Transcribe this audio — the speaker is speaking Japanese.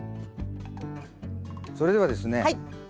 それではですね